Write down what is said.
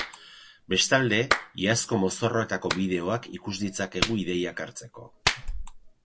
Bestalde, iazko mozorroetako bideoak ikus ditzakegu ideiak hartzeko.